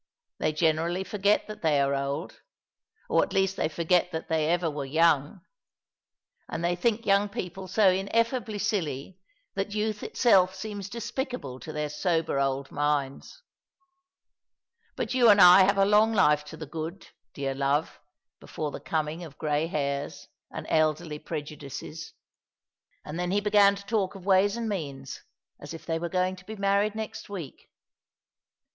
They gene rally forget that they are old; or at least they forget that they ever were young, and they think young people so in effably silly that youth itself seems despicable to their sober old minds. But you and I have a long life to the good, dear love, before the coming of grey hairs and elderly prejudices.' And then he began to talk of ways and means, as if they were going to be married next week.